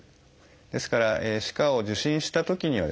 ですから歯科を受診したときにはですね